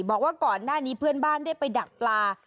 บอกว่าก่อนหน้านี้เพื่อนบ้านได้ไปดักปลา